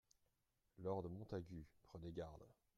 Lord Montagu Prenez garde.